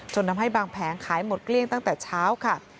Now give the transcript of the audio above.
ทำให้บางแผงขายหมดเกลี้ยงตั้งแต่เช้าค่ะ